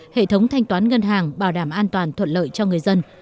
hệ thống thanh toán ngân hàng bảo đảm an toàn thuận lợi cho người dân